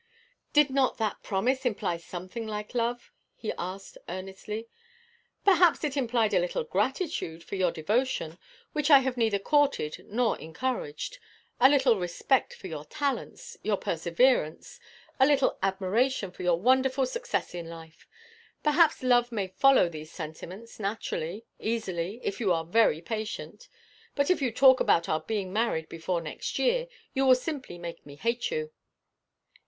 'Did not that promise imply something like love?' he asked, earnestly. 'Perhaps it implied a little gratitude for your devotion, which I have neither courted nor encouraged; a little respect for your talents, your perseverance a little admiration for your wonderful success in life. Perhaps love may follow these sentiments, naturally, easily, if you are very patient; but if you talk about our being married before next year, you will simply make me hate you.'